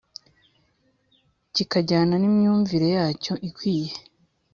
kikajyana n’imyumvire yacyo ikwiye